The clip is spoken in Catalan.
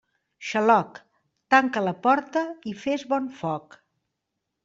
Xaloc, tanca la porta i fes bon foc.